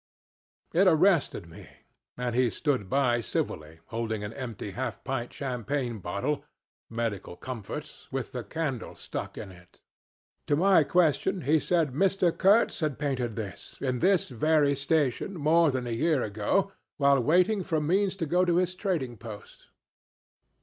"It arrested me, and he stood by civilly, holding a half pint champagne bottle (medical comforts) with the candle stuck in it. To my question he said Mr. Kurtz had painted this in this very station more than a year ago while waiting for means to go to his trading post.